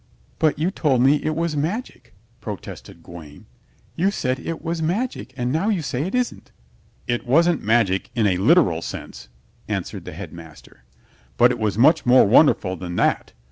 "But you told me it was magic," protested Gawaine. "You said it was magic and now you say it isn't." "It wasn't magic in a literal sense," answered the Headmaster, "but it was much more wonderful than that.